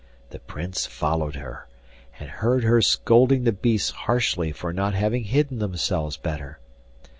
The Prince followed her, and heard her scolding the beasts harshly for not having hidden themselves better.